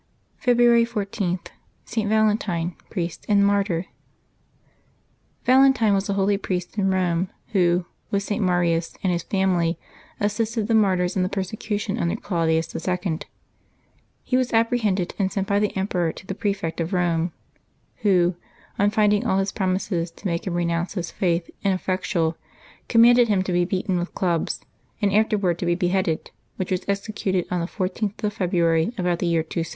February 14.— ST. VALENTINE, Priest and Martyr. VALENTINE was a lioly priest in Pome, who, with St. Marius and his family, assisted the martyrs in the persecution under Claudius II. He was apprehended, and sent by the emperor to the prefect of Pome, who, on find ing all his promises to make him renounce his faith in effectual, commanded him to be beaten with clubs, and afterward to be beheaded, which was executed on the 14th of February, about the year 270.